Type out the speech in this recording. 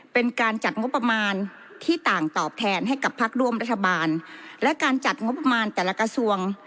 เป็นการจัดงบประมาณที่ต่างตอบแทนให้กับพักร่วมรัฐบาลและการจัดงบประมาณแต่ละกระทรวง